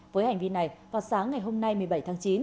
với hành vi này vào sáng ngày hôm nay một mươi bảy tháng chín